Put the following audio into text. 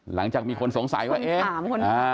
หลังจากมีคนสงสัยว่าเอ๊ะ